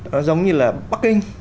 nó giống như là bắc kinh